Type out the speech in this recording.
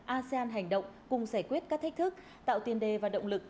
asean hành động cùng giải quyết các thách thức tạo tiền đề và động lực